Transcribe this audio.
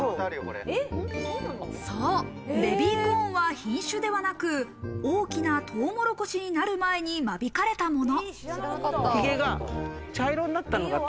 そう、ベビーコーンは品種ではなく、大きなトウモロコシになる前に間引かれたもの。